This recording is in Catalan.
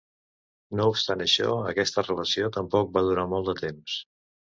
No obstant això, aquesta relació tampoc va durar molt de temps.